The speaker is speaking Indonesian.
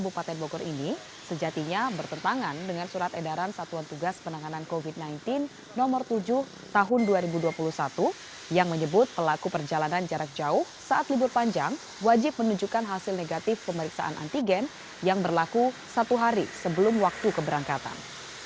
kabupaten bogor ini sejatinya bertentangan dengan surat edaran satuan tugas penanganan covid sembilan belas no tujuh tahun dua ribu dua puluh satu yang menyebut pelaku perjalanan jarak jauh saat libur panjang wajib menunjukkan hasil negatif pemeriksaan antigen yang berlaku satu hari sebelum waktu keberangkatan